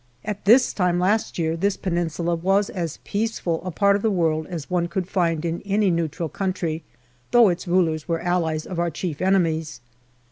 At this time last year this Peninsula was as peaceful a part of the world as one could find in any neutral country, though its rulers were allies of our chief enemies.